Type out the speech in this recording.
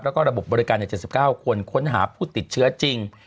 แล้วก็ระบบบริการ๗๙คนค้นหาผู้ติดเชื้อจริง